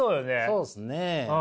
そうですね。